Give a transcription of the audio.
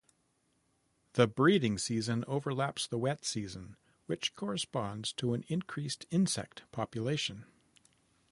The breeding season overlaps the wet season, which corresponds to an increased insect population.